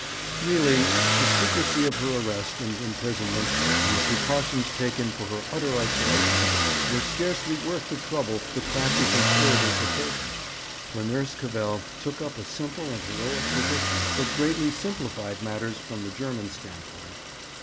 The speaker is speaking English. Really the secrecy of her arrest and imprisonment and the precautions taken for her utter isolation were scarcely worth the trouble the crafty conspirators had taken, for Nurse Cavell took up a simple and heroic position that greatly simplified matters from the German standpoint.